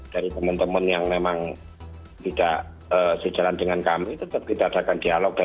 dari teman teman yang memang tidak sejalan dengan kami tetap kita adakan dialog